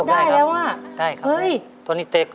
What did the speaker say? มันมีความรู้สึกอยู่